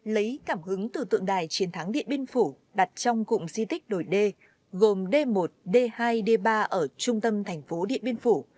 lấy cảm hứng từ tượng đài chiến thắng điện biên phủ đặt trong cụm di tích đổi đê gồm d một d hai d ba ở trung tâm thành phố điện biên phủ